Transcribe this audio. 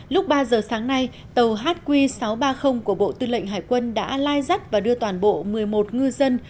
lúc ba giờ sáng nay tàu hq sáu trăm ba mươi của bộ tư lệnh hải quân đã lai dắt và đưa toàn bộ một mươi một ngư dân